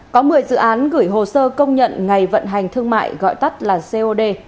có một mươi dự án gửi hồ sơ công nhận ngày vận hành thương mại gọi tắt là cod